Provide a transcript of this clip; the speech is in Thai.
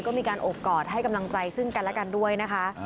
ก็มีการโอบกอดให้กำลังใจซึ่งกันและกันด้วยนะคะ